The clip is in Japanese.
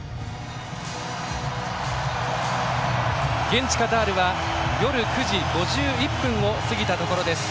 現地カタールは夜９時５１分を過ぎたところです。